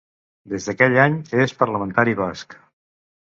Des d'aquell any, és parlamentari basc.